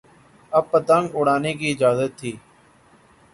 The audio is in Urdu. اب پتنگ اڑانے کی اجازت تھی۔